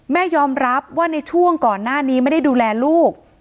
ยอมรับว่าในช่วงก่อนหน้านี้ไม่ได้ดูแลลูก